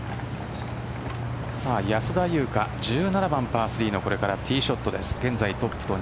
安田祐香、１７番パー３のこれからティーショットです。